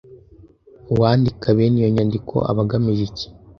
Uwandika bene iyi nyandiko aba agamije iki?